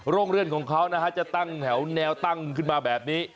โรงเรื่องของเค้านะครับจะแถวแนวตั้งขึ้นมาแบบนี้